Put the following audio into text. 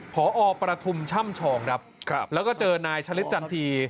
พอประทุมช่ำชองครับแล้วก็เจอนายชะลิดจันที